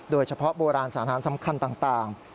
โดยเฉพาะโบราณสาธารณ์สำคัญต่าง